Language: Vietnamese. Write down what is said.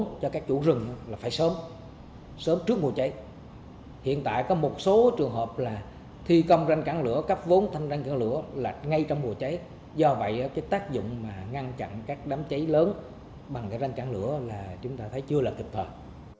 cấp vốn cho các chủ rừng là phải sớm sớm trước mùa cháy hiện tại có một số trường hợp là thi công ranh cản lửa cấp vốn thanh ranh cản lửa là ngay trong mùa cháy do vậy tác dụng ngăn chặn các đám cháy lớn bằng ranh cản lửa là chúng ta thấy chưa là kịch thuật